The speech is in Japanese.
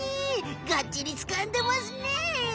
がっちりつかんでますね！